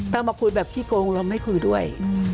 ถ้ามาคุยแบบขี้โกงเราไม่คุยด้วย